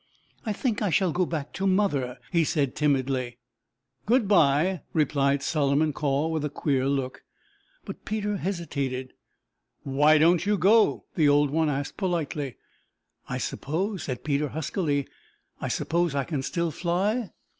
"I think I shall go back to mother," he said timidly. "Good bye," replied Solomon Caw with a queer look. But Peter hesitated. "Why don't you go?" the old one asked politely. "I suppose," said Peter huskily, "I suppose I can still fly?"